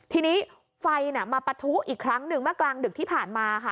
ทีนี้ไฟมาปะทุอีกครั้งหนึ่งเมื่อกลางดึกที่ผ่านมาค่ะ